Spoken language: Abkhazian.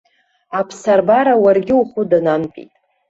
Аԥсабара уаргьы ухәыданамтәит.